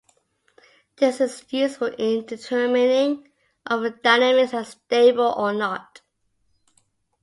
This is useful in determining if the dynamics are stable or not.